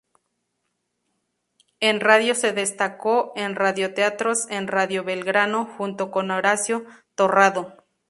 En radio se destacó en radioteatros en Radio Belgrano junto con Horacio Torrado.